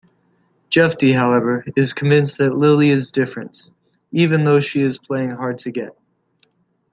Jefty, however, is convinced that Lily is "different", even though she is playing hard-to-get.